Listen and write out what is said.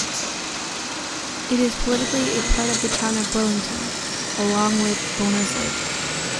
It is politically a part of the town of Burlington, along with Bohners Lake.